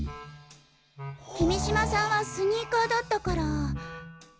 君島さんはスニーカーだったから。